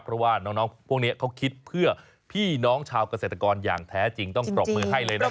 เพราะว่าน้องพวกนี้เขาคิดเพื่อพี่น้องชาวเกษตรกรอย่างแท้จริงต้องปรบมือให้เลยนะครับ